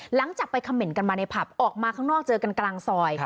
หลังจากไปคำเมนต์กันมาในผับออกมาข้างนอกเจอกันกลางซอย